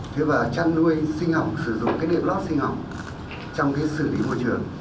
thứ ba chăn nuôi sinh học sử dụng cái đề lót sinh học trong cái xử lý môi trường